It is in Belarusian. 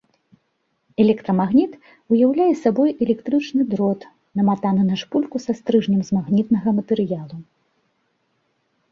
Электрамагніт ўяўляе сабой электрычны дрот, наматаны на шпульку са стрыжнем з магнітнага матэрыялу.